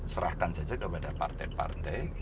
serahkan saja kepada partai partai